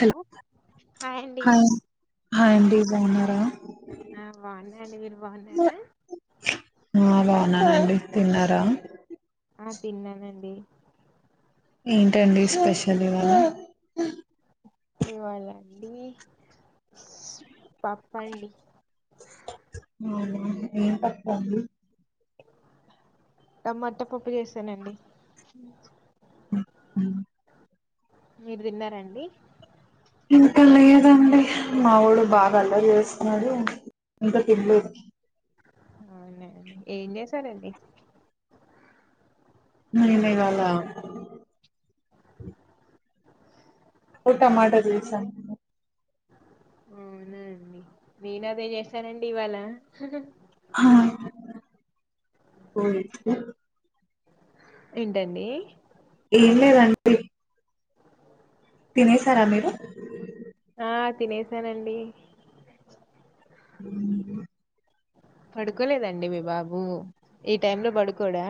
Hello hi అండి బాగున్నారా ఆ బాగున్నా అండి మీరు బాగున్నారా తిన్నారా ఆ తిన్నానండి ఏంటండి స్పెషల్ ఇవాళ ఇవాళ అండి పప్పండి ఏం పప్పండి టమాటా పప్పు చేసానండి మీరు తిన్నారా అం డి ఇంకా లేదండి మా వోడు బాగా అల్లరి చేస్తున్నాడు ఇంకా తినలేదు ఏం చేసారండి మరిమిగాాల ఓ టమాటో తీసా అవునాండి నేను అదే చేశానండి ఇవాళ ఆ పోయి ఏంటండి ఏం లేదంటీ తినేశారా మీరు ఆ తినేసానండి అ పడుకోలేదాండి మీ బాబు ఈ టైంలో పడుకోడా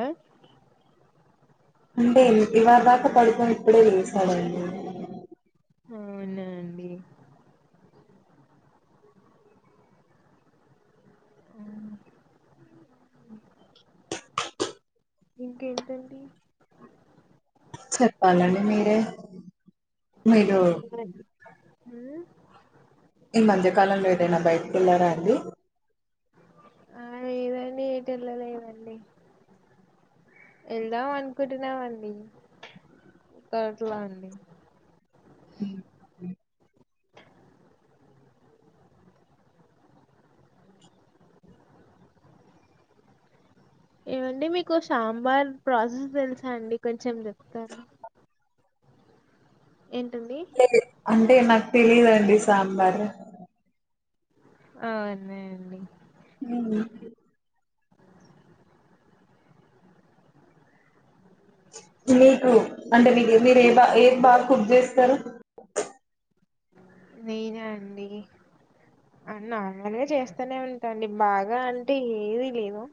అంటే ఇవాదాక పడుకోని ఇప్పుడే లేశాడండి అవునా అండి ఆ ఇంకేంటండి చెప్పాలండి మీరే మీరు ఊ ఈ మధ్యకాలంలో ఏదైనా బైటికెళ్లారా అండి ఆ లేదండి ఏటెళ్ళలేదండి వెళ్దాం అనుకుంటున్నామండి ఇప్పట్లో అండి ఏమండి మీకు సాంబార్ ప్రాసెస్ తెలుసా అండి కొంచెం జె కద ఏంటండి లేదు అంటే నాకు తెలీదండి సాంబార్ అవునా అండి మ్ మీకు అంటే మీరు ఏ బా ఏది బా కుక్ చేస్తారు నేనా అండి నార్మల్గా చేస్తానే ఉంటాఅండి బాగా అంటే ఏదీ లేదు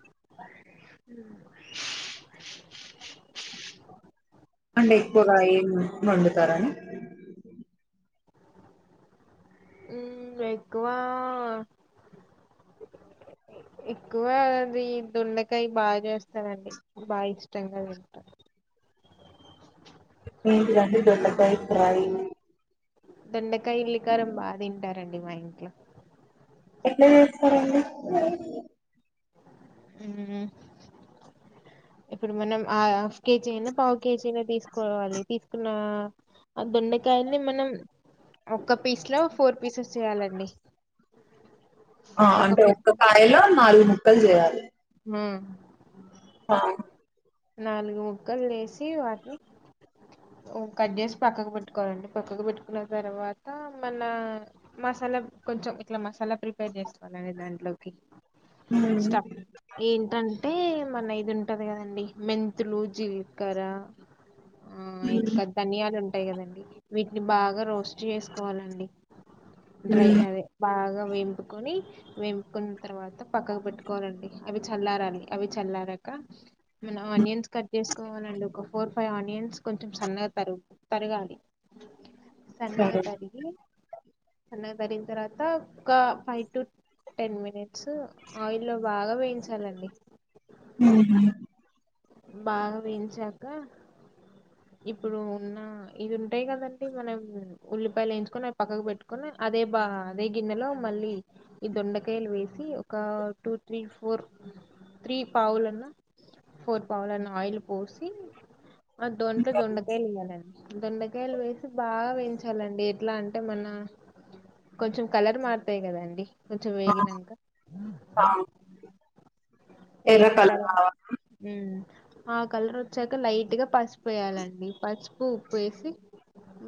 మ్ అంటే ఎక్కువగా ఏం వండుతారని మ్ ఎక్కువ ఎక్కువ అది దొండకాయ బాగా చేస్తానండి బా ఇష్టంగా తింటారు ఏంటిదండి దొండకాయి ఫ్రై దొండకాయ ఇల్లికారం బాగా తింటారండి మా ఇంట్లో ఎట్లా చేస్తరండి మ్ ఇప్పుడు మనం ఆ కేజీ అయినా పావు కేజీ అనా తీసుకోవాలి తీసుకున్న ఆ దొండకాయని మనం ఒక్క పీస్ లో ఫోర్ పీసెస్ చేయాలండి ఆ అంటే ఒక కాయలో నాలుగు ముక్కల్ చేయాలి మ్ ఆ నాలుగు ముక్కలు చేసి వాటిని కట్ చేసి పక్కకు పెట్టుకోవాలండి పక్కకు పెట్టుకున్న తర్వాత మన మసాలా కొంచెం ఇట్లా మసాలా ప్రిపేర్ చేసుకోవాలండి దాంట్లోకి స్టఫ్ మ్ ఏంటంటే మన ఇది ఉంటది కదండి మెంతులు జీల్కర ఆ ఇంకా ధనియాలు ఉం టాయి కదండి వీటిని బాగా రోస్ట్ చేసుకోవాలండి డ్రై అదే బాగా వేంపుకొని వేంపుకున్న తర్వాత పక్కకు పెట్టుకోవాలండి అవి చల్లారాలి అవి చల్లారాక మనం ఆనియన్స్ కట్ చేసుకోవాలండి ఒక ఫోర్ ఫైవ్ ఆనియన్స్ కొంచెం సన్నగా తరుగు తరగాలి సన్నగా సరే తరిగి సన్నగా తరిగిన తర్వాత ఒక ఫైవ్ టు టెన్ మినిట్స్ స్ ఆయిల్ లో బాగా చాలండి హ బాగా వేయించాక ఇప్పుడు ఉన్న ఇది ఉంటాయి కదండి మనం ఉల్లిపాయలు వేయించుకొని అ పక్కకు పెట్టుకొని అదే బా అదే గిన్నెలో మళ్ళీ ఈ దొండకాయలు వేసి ఒక టూ త్రీ ఫోర్ త్రీ పావులున్నా ఫోర్ పావలన్న ఆయిల్ పోసి అ దంటలో దొండకాయలు ఇవ్వాలండి దొండకాయలు వేసి బాగా లండి ఎట్లా అంటే మన కొంచెం కలర్ మారుతాయి కదండి కొంచం ఆ వేగినంక ఆ ఎర్ర కలర్ ఏగింతర కావాలా ఆ కలర్ వచ్చాక లైట్‌గా పసుపు వేయాలండి పసుపు ఉప్పు వేసి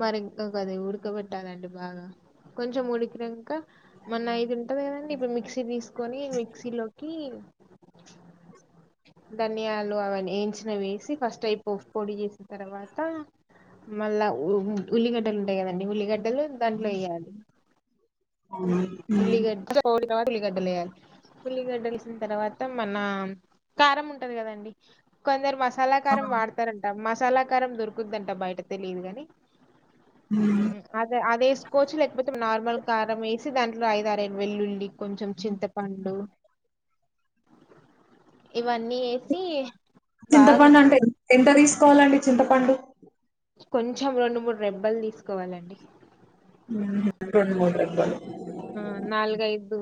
మరి ఇంకది ఉడకబెట్టదండి. బాగా కొంచెం ఉడికినాక మొన్న ఇయిది ఉంటంది. కదండి ఇప్పుడు మిక్సీ తీసుకొని మిక్సీలోకి ధనియాలు అవన్నీ వేయించిన వేసి ఫస్ట్ అవి పప్పు పొడి చేసిన తర్వాత మళ్ళా ఉల్లిగడ్డలు ఉండేయి కదండి ఉల్లిగడ్డలు దాంట్లో వేయాలి ఉమ్ ఉల్లిగడ్డ ఉల్లిగడ్డలు వెయ్యాలి ఉల్లిగడ్డలసిన తర్వాత మన కారం ఉంటది కదండి కొందరు మ ఆ కళాకారం వాడతారంట సలాకారం దొరుకుందంట బయట తెలియదు కాని హ్మ్. అదే అదే వేసుకోవచ్చు లేకపోతే నార్మల్ కారం వేసి దాన్ని రాయిదార వెల్లుల్లి కొంచెం చింతపండు ఇవన్నీ వేసి బాగా మిచ్చ సుకోవాలండి చింతపండు కొంచెం రెండు మూడు రెబ్బలు తీసుకోవాలండి రెండు మూడు రెబ్బలు ఆ నాలుగైదు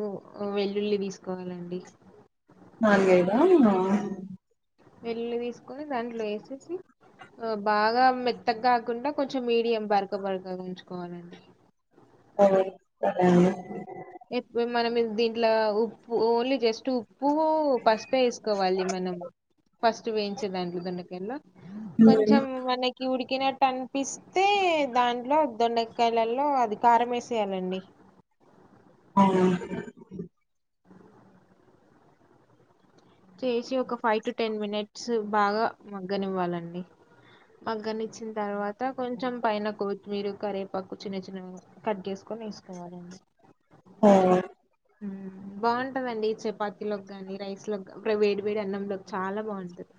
వెల్లుల్లి తీసుకోవాలండి నాలుగైద ఆ వెల్లులి తీసుకొని దాంట్లో వేసేసి బాగా మెత్తగా కాకుండా కొంచెం మీడియం పరగ బరకగా ఉంచుకోవాలండి. స ఎ మనం దీంట్లో ఉప్పు ఓన్లీ జస్ట్ ఉప్పు ఫస్ట్ వేసుకోవాలి మనం ఫస్ట్ వేయించే దాంట్లో దుండకాయల్లో కొంచెం మనకి ఉడికినట్ టెన్ ప్పిస్తే దాంట్లో వదుండ కాయలలో అదికారం వేసేయాలండి అవు చేసి ఒక ఫైవ్ టు టెన్ మినిట్స్ బాగా మగ్గనివ్వాలండి. మగ్గని ఇచ్చిన తర్వాత కొంచెం పైన కొత్తిమీర కరివేపాకు చిన్న చిన్నగా కట్ చేసుకొని వేసుకోవాలండి. ఆ బాగుంటందండి చపాతీలోకి గాని రైస్ లో అక్కడ వేడి వేడి అన్నంలోకి చాలా బాగుంటది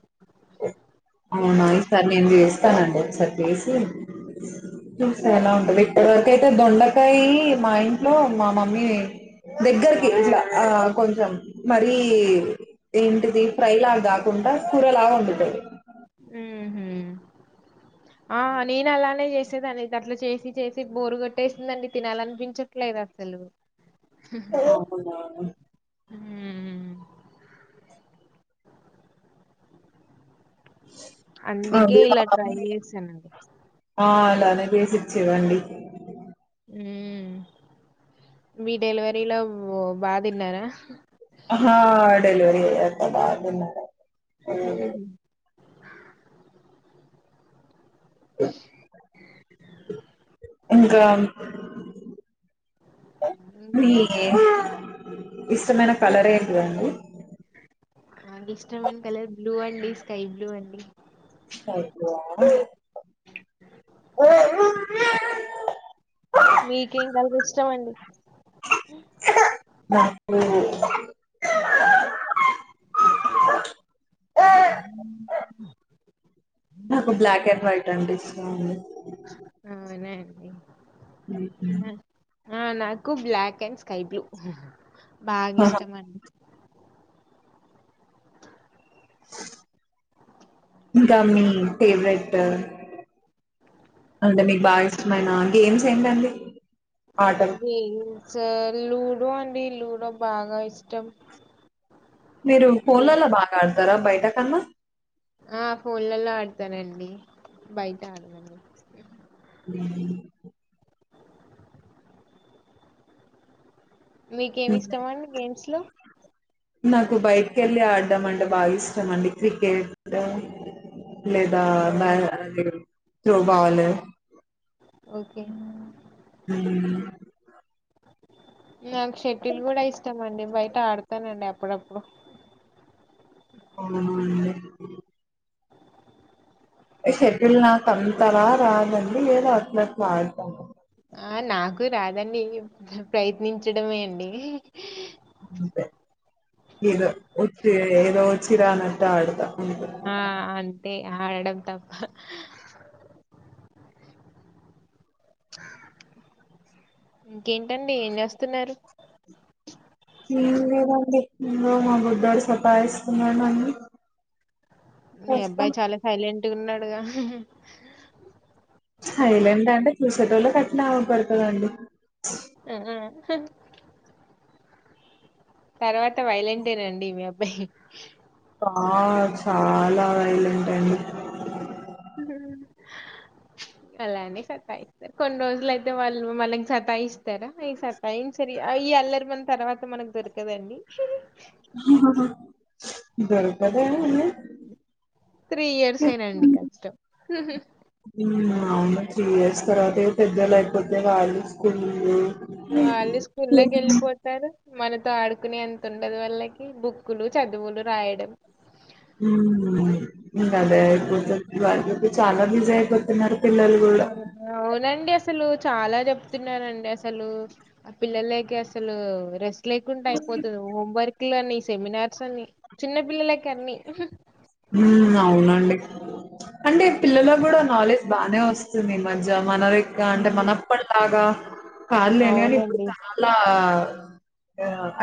అవునాయి సార్ నేను చేస్తానండి ఒకసారి చేసి, చూస్తే ఎలా ఉంటుంది ఇప్పటివరకు అయితే దొండకాయి మా ఇంట్లో మా మమ్మీ దగ్గరికి ఇట్లా ఆ కొంచెం మరి ఏంటిది ఫ్రై లాగా గాకూ ఉంట సురలా గా హా మ్మ్ హు ఆ నేను అలానే చేసేదాన్నిది అట్లా చేసి చేసి బోరు కొట్టేసిందండి తినాలనిపించట్లేదు అసలు అ హుమ్మ్ అందుకే అది మా ఇలా ట్రై మమ్మీ చేశానండి ఆ అలానే చేసిచ్చేవండి మ్మ్ మీ డెలివరీలో బా తిన్నారా హ డెలివరి ఏ ఎంత బాగుందో ఇ ఇంకా [unintelligible] ఇష్టమైన కలర్ ఏంటిదండి ఆ ఇష్టం అయిన కలర్ బ్లూ అండి స్కైబ్లూ అండి అపో మీకేం కలర్ ఇష్టం అండి నాకు నాకు బ్లాక్ అండ్ వైట్ అంటే ఇష్ అవును అ ఉ ఆ నాకు బ్లాక్ అండ్ స్కై బ్లూ బాగా ఆహా ఇష్టం అండి ఇంకా మీ ఫేవరెట్ అంటే మీకు బాగా ఇష్టమైన గేమ్స్ ఏంటండి ఆటలు ఇదీ సార్లుడో అన్ డి లుడో బాగా ఇష్టం మీరు పోలలో బాగా ఆడ జరా బయటా కన్నా ఆ ఫోన్లలో ఆడతానండి బయట అడనండి అ మీకేమి మ్మ్. ఇష్టం అండి గేమ్స్ లో నాకు బయటకి వెళ్ళి ఆడడం అంటే బాగా ఇష్టం అండి క్రికెట్ లేదా బ అ త్రో బాల్ ఓకే నాకు షెటిల్ కూడా ఇష్టం వడి బయట అడుతనండి అప్పుడెప్పుడు అవునా అండి షెటిల్ నాకు అంతలా రాదండి లేదా అట్ల అట్లా ఆడుతండి ఆ నాకు రాదండి ప్రయత్నించడమే అండి అంతే ఏదో వచ్చి ఏదో వచ్చి రానట్టు ఆడత ఆ అంతే ఆడం తప్ప ఇంకేటండి ఏం చేస్తున్నారు ఏం లేదు అండి లో మా బుడ్డోడు సతయిస్తునాడు నన్ను మీ అబ్బాయి చాలా సైలెంట్ అట్టుకున్నాడుగా సైలెంట్ ఆ అండి చూసేటోళ్ళ అట్లా అవుపడుతాయండి ఆ హ తర్వాత వయోలేంట్ అండి మీ అబ్బాయి చా చాలా వైలెంట్ అండి అలానే సతాయిస్తారు కొన్ని రోజులు అయితే వాళ్ళు మనకి సతాయిస్తారా ఈ సతాయి సరి ఈ అల్లరిమని తర్వాత మనకు దొరకదండి దొరకద అండి త్రీ ఇయర్స్ అండి కష్టం అవును త్రీ ఇయర్స్ తర్వాత పెద్దలు అయిపోతే వాళ్లు వాళ్ళు స్కూల్ల్లోకి వెళ్ళిపోతారు మన త ఆడుకుని అంత ఉండదు వల్లకి బుక్కులు చదువులు రాయడం ఇంకాదే అయిపోతు చాలా బిజీ అయిపోతున్నారు పిల్లలు కూడా అవునండి అస్ అసలు చాలా చెప్తున్నరండి అసలు ఆ పిల్లలకి అసలు రెస్ట్ లేకుండా అయిపోతుంది హోమ్వర్క్ లు అన్ని సెమినార్స్ అన్ని చిన్న పిల్లలక అన్ని అవునండి అంటే పిల్లల్లో కూడా నాలెడ్జ్ బానే వస్తుంది ఈ మధ్య మనదిగా అంటే ఉమ్, మనప్పటిలాగా అ కాదులేని కాని ఇప్పుడు అవునండి చాలా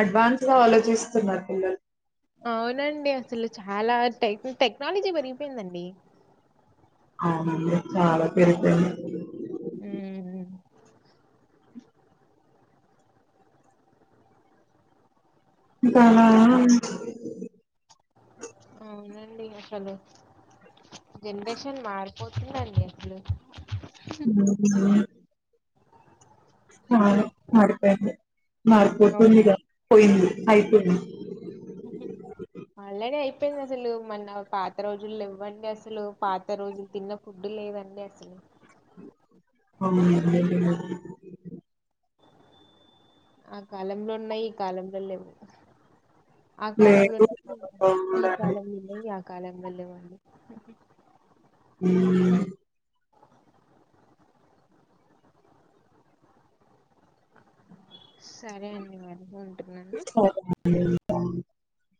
అడ్వాన్స్ గా ఆలోచిస్తున్నారు పిల్లలు టె టెక్నాలజీ పెరిగిపోయిందండి అ చాలా పెరిగిపోయింది మ్మ్ ఇకా అవునండి అసలు జనరేషన్ మారిపోతుందండి అసలు ఉ అవును మాడిపోయింది అవును. మారిపోతుందిగాదా పోయింది అయితుంది మల్లడ అయిపోయింది. అసలు మన్న పాత రోజులు ఇవ్వండి అసలు పాత రోజులు తిన్న ఫుడ్డు లేదండి అసలు. అవు అ ఆ కాలంలో ఉన్నాయి ఈ కాలంలో లేవు ఆ కాలం లేదు ఈ అవునండి కాలం ఆ కాలం ందల్ వాడి [inaudible] [inaudible] సరే అండి వెను ఉంటున్నాండి అను